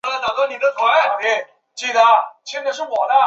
短序山梅花为虎耳草科山梅花属下的一个种。